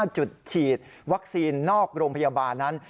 จุดฉีดวัคซีนนอกโรงพยาบาลนั้น